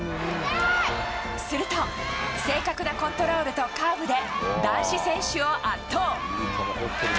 すると、正確なコントロールとカーブで男子選手を圧倒。